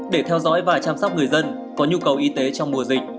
để theo dõi và chăm sóc người dân có nhu cầu y tế trong mùa dịch